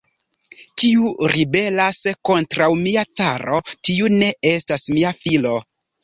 Kiu ribelas kontraŭ mia caro, tiu ne estas mia filo.